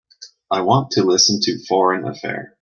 I want to listen to Foreign Affair.